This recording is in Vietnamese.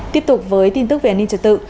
tiếp tục với tin tức về an ninh trật tự